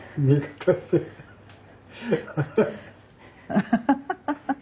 アハハハハハ！